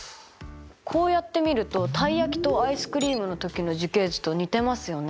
こうやってみるとたい焼きとアイスクリームの時の樹形図と似てますよね。